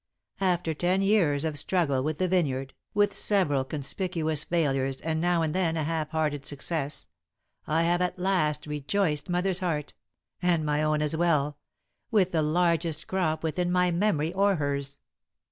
After ten years of struggle with the vineyard, with several conspicuous failures and now and then a half hearted success, I have at last rejoiced Mother's heart and my own as well with the largest crop within my memory or hers.